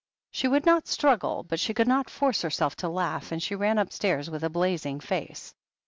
She would not struggle, but she could not force her self to laugh, and she ran upstairs with a blazing face.